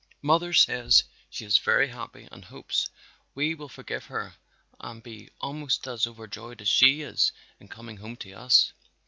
Mother says she is very happy and hopes we will forgive her and be almost as overjoyed as she is in coming home to us.